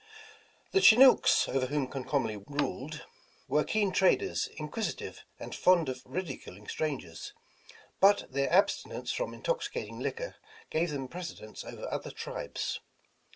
The Chinooks, over whom Comcomly ruled, were keen traders, inquisitive and fond of ridiculing stran gers, but their abstinence from intoxicating liquor gave them precedence over other tribes.